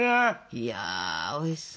いやおいしそう。